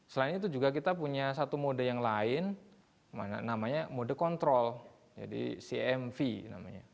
selain itu juga kita punya satu mode yang lain namanya mode kontrol jadi cmv namanya